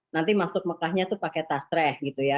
nanti masuk mekahnya tuh pakai tas treh gitu ya